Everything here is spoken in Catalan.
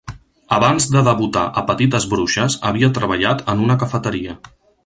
Abans de debutar a "Petites bruixes", havia treballat en una cafeteria.